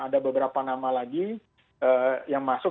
ada beberapa nama lagi yang masuk